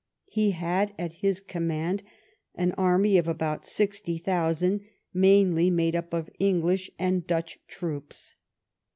He had at his command an army of about sixty thousand, mainly made up of English and Dutch troops.